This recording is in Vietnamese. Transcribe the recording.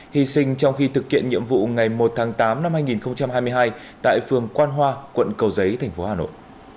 hy sinh trong khi thực hiện nhiệm vụ ngày một tháng tám năm hai nghìn hai mươi hai tại phường quan hoa quận cầu giấy thành phố hà nội